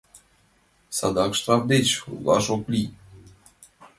Садак штраф деч утлаш ок лий.